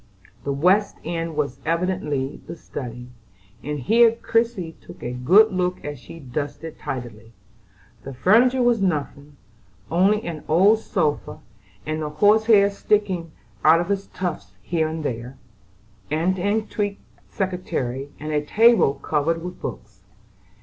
The west end was evidently the study, and here Christie took a good look as she dusted tidily. The furniture was nothing, only an old sofa, with the horsehair sticking out in tufts here and there; an antique secretary; and a table covered with books.